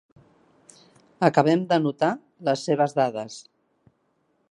Acabem d'anotar les seves dades.